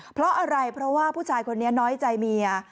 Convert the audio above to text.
เพราะอะไรเพราะว่าผู้ชายคนนี้น้อยใจเมีย